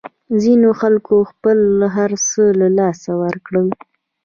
ځینو خلکو خپل هرڅه له لاسه ورکړل.